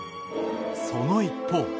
その一方。